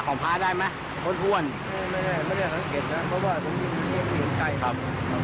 ครับ